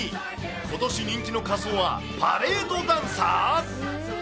ことし人気の仮装は、パレードダンサー？